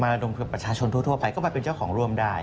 ระดมคือประชาชนทั่วไปก็มาเป็นเจ้าของร่วมได้